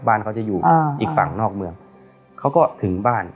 บ้านเขาจะอยู่อีกฝั่งนอกเมืองเขาก็ถึงบ้าน